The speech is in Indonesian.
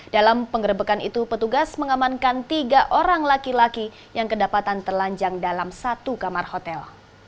dalam penggerbekan itu petugas mengamankan tiga orang laki laki yang kedapatan telanjang dalam satu kamar hotel